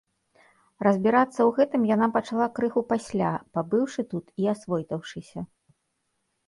Разбірацца ў гэтым яна пачала крыху пасля, пабыўшы тут і асвойтаўшыся.